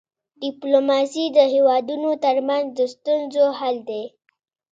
ډيپلوماسي د هيوادونو ترمنځ د ستونزو حل دی.